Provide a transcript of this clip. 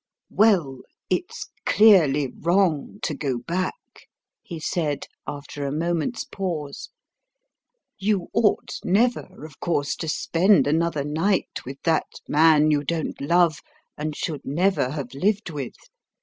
"Well, it's clearly wrong to go back," he said, after a moment's pause. "You ought never, of course, to spend another night with that man you don't love and should never have lived with.